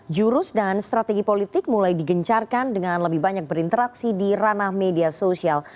jurus dan strategi politik mulai digencarkan dengan lebih banyak berinteraksi di ranah media sosial